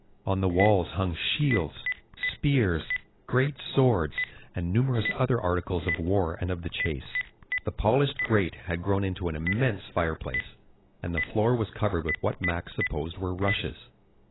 On the walls hung shields, spears, great swords, and numerous other articles of war and of the chase. The polished grate had grown into an immense fireplace, and the floor was covered with what Max supposed were rushes.